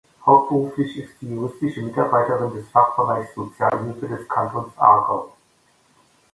Hauptberuflich ist sie juristische Mitarbeiterin des Fachbereichs Sozialhilfe des Kantons Aargau.